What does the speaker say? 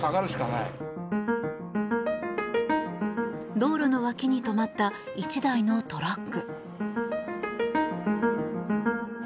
道路の脇に止まった１台のトラック。